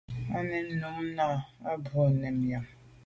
O nèn à mum nà o à bû mèn am.